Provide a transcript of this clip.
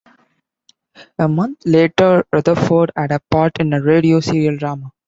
A month later, Rutherford had a part in a radio serial drama.